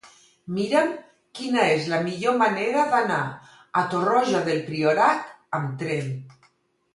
Mira'm quina és la millor manera d'anar a Torroja del Priorat amb tren.